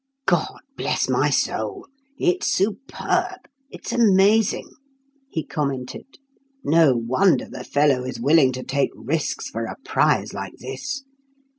"God bless my soul! it's superb, it's amazing," he commented. "No wonder the fellow is willing to take risks for a prize like this.